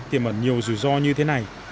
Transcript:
tìm ẩn nhiều rủi ro như thế này